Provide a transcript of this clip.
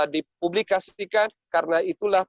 dipublikasikan karena itulah